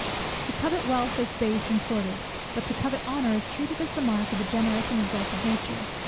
To covet wealth is base and sordid, but to covet honour is treated as the mark of a generous and exalted nature.